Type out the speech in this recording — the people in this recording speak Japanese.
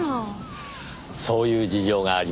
そういう事情がありましたか。